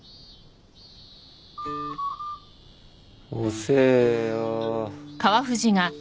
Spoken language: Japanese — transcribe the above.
遅えよ。